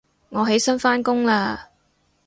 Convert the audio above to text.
我起身返工喇